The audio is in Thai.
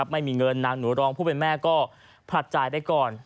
ไม่มีเงินนางหนูรองผู้เป็นแม่ก็ผลัดจ่ายไปก่อน